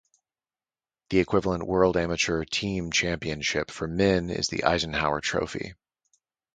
The equivalent "World Amateur Team Championship" for men is the Eisenhower Trophy.